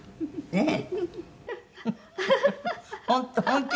ねえ。